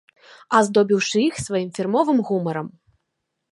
Аздобіўшы іх сваім фірмовым гумарам.